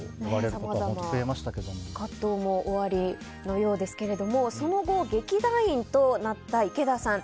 さまざま葛藤もおありのようですけどその後、劇団員となった池田さん。